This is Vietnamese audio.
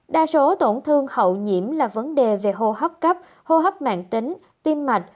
đa số tổn thương hậu nhiễm là vấn đề về hô hấp cấp hô hấp mạng tính tim mạch